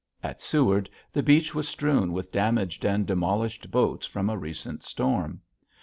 At Seward the beach was strewn with damaged and demolished boats from a recent storm.